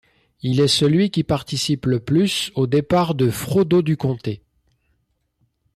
Il est celui qui participe le plus au départ de Frodo du Comté.